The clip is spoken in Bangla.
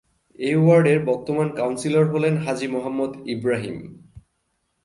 এ ওয়ার্ডের বর্তমান কাউন্সিলর হলেন হাজী মোহাম্মদ ইবরাহীম।